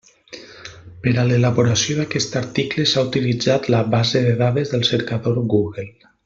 Per a l'elaboració d'aquest article s'ha utilitzat la base de dades del cercador Google.